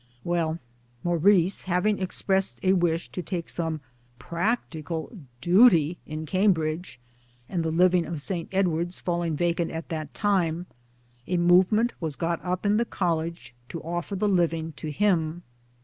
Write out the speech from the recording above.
.Well, Maurice having expressed a wish to take some practical " duty " in Cambridge, and the living of St. Edward's falling vacant at that time, a move ment was got up in the College to offer the living to him.